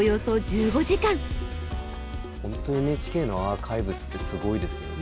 本当ＮＨＫのアーカイブスってすごいですよね。